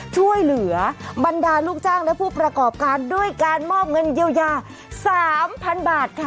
ช่วยเหลือบรรดาลูกจ้างและผู้ประกอบการด้วยการมอบเงินเยียวยา๓๐๐๐บาทค่ะ